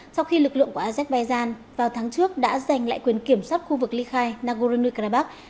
sau khi lực lượng của azerbaijan vào tháng trước đã giành lại quyền kiểm soát khu vực ly khai nagorno karabakh